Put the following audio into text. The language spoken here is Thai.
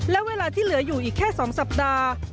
และเวลาที่เหลืออยู่อีกแค่๒สัปดาห์